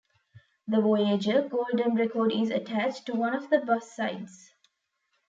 The Voyager Golden Record is attached to one of the bus sides.